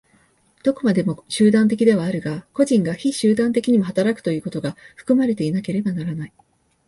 どこまでも集団的ではあるが、個人が非集団的にも働くということが含まれていなければならない。